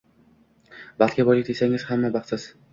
Baxt boylikda, desangiz, hamma baxtsiz